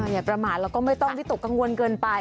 อย่าประมาทแล้วก็ไม่ต้องวิตกกังวลเกินไป